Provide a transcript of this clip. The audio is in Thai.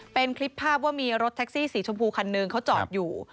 เป็นคลิปภาพว่ามีรถแท็กซี่สีชมพูคันหนึ่งเขาจอดอยู่